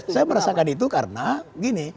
saya merasakan itu karena gini